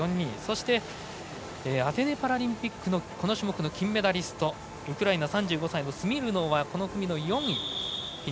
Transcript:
そして、アテネパラリンピックのこの種目、金メダリストウクライナ３５歳のスミルノウはこの組の４位。